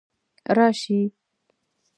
راشي